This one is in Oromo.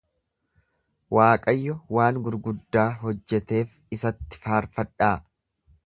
Waaqayyo waan gurguddaa hojjeteef isatti faarfadhaa.